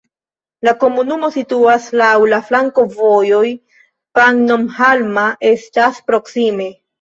La komunumo situas laŭ flankovojoj, Pannonhalma estas proksime.